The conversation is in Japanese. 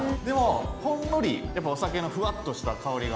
でもほんのりお酒のふわっとした香りが。